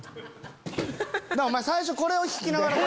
お前最初これを引きながら。